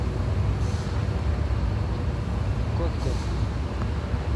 توکت کت نٹوں۔